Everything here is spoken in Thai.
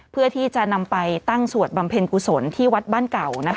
เพื่อที่จะนำไปตั้งสวดบำเพ็ญกุศลที่วัดบ้านเก่า